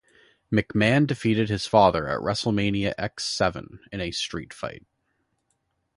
McMahon defeated his father at WrestleMania X-Seven, in a Street Fight.